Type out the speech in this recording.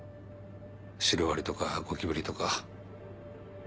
シロアリとかゴキブリとか。